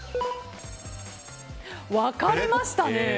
分かれましたね。